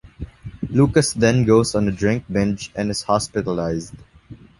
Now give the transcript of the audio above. Lucas then goes on a drink binge and is hospitalised.